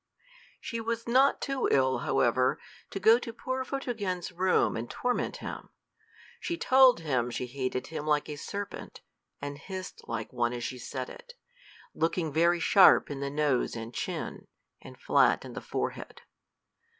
She was not too ill, however, to go to poor Photogen's room and torment him. She told him she hated him like a serpent, and hissed like one as she said it, looking very sharp in the nose and chin, and flat in the forehead.